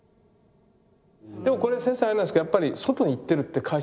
でもこれ先生あれなんですかやっぱり外に行ってるって解釈ですか？